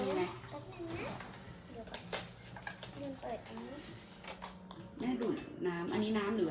ไว้กินไอ้กินไอ้มันจะเกรียบไหมน่ะน่ะแหละแหละเนื่อง